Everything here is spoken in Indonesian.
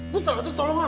bu tete tolonglah